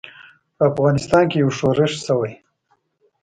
په افغانستان کې یو ښورښ شوی.